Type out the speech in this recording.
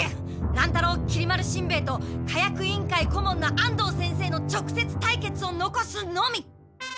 乱太郎きり丸しんべヱと火薬委員会顧問の安藤先生の直接対決をのこすのみ！